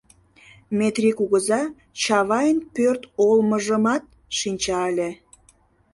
Метри кугыза Чавайын пӧрт олмыжымат шинча ыле.